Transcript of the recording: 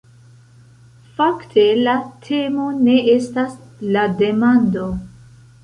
Fakte la temo ne estas la demando.